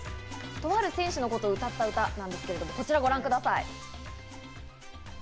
とある選手のことを歌った歌なんですが、こちらをご覧ください。